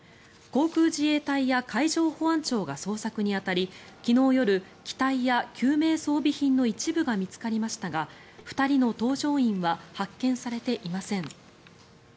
航空自衛隊や海上保安庁が捜索に当たり昨日夜、機体や救命装備品の一部が見つかりましたが２人の搭乗員は発見されていません。